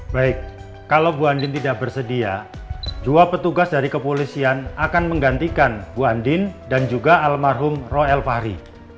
baik kalau bu andin tidak bersedia dua petugas dari kepolisian akan menggantikan bu andin dan juga almarhum rohel fahri